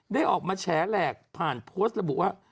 ได้ออกมาแฉแหลกผ่านโพสต์ระบุว่า